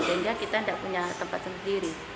sehingga kita tidak punya tempat sendiri